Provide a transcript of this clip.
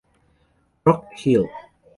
Rock Hill